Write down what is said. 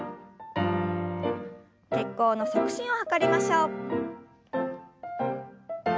血行の促進を図りましょう。